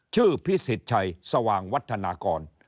พิสิทธิ์ชัยสว่างวัฒนากร